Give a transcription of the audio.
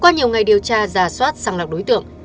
qua nhiều ngày điều tra rà soát sàng lạc đối tượng